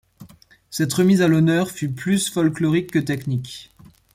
Cette remise à l'honneur fut plus folklorique que technique.